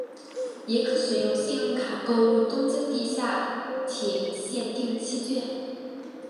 也可使用信用卡购入东京地下铁线定期券。